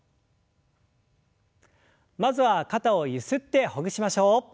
まずは肩をゆすってほぐしましょう。